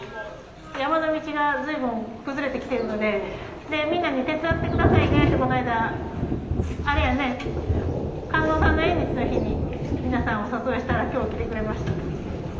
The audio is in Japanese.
山の道が随分崩れてきてるのでみんなに手伝って下さいねってこないだあれやね観音さんの縁日の日に皆さんお誘いしたら今日来てくれました。